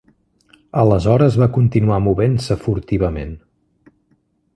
Aleshores va continuar movent-se furtivament.